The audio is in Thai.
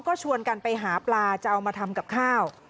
ก็ชวนกันไปหาปลาจะเอามาทำกับข้าว